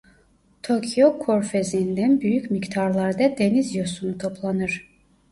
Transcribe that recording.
Tokyo Körfezi'inden büyük miktarlarda deniz yosunu toplanır.